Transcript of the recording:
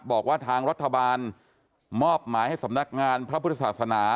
บอกว่าทางรัฐบาลมอบหมายให้สำนักงานพระพุทธศาสนา